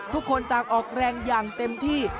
ทุกคนต่างออกแรงอย่างเต็มที่